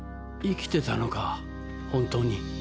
生きてたのか本当に。